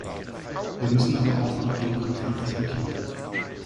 Wir müssen aber auch die Geographie diskutieren.